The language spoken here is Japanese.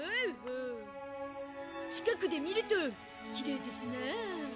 近くで見るときれいですなあ。